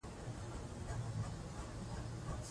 له رڼایي څخه یې بدې راځي.